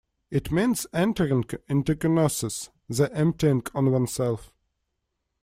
It means entering into kenosis - the emptying of oneself.